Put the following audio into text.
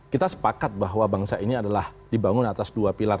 kita sepakat bahwa bangsa ini adalah dibangun atas dua pilar